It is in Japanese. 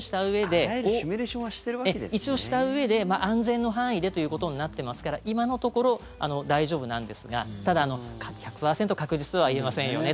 あらゆるシミュレーションは一応、したうえで安全の範囲でということになってますから今のところ大丈夫なんですがただ、１００％確実とは言えませんよね